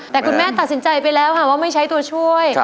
แต่คุณแม่ตัดสินใจไปแล้วค่ะว่าไม่ใช้ตัวช่วย